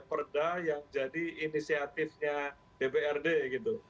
perda yang jadi inisiatifnya dprd gitu